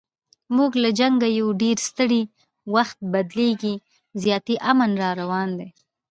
موږ له جنګه یو ډېر ستړي، وخت بدلیږي زیاتي امن را روان دی